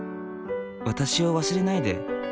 「私を忘れないで」